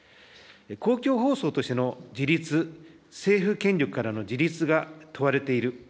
公共放送としての自律、政府権力からの自律が問われている。